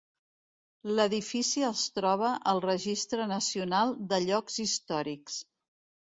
L'edifici es troba al registre nacional de llocs històrics.